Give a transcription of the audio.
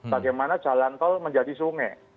bagaimana jalan tol menjadi sungai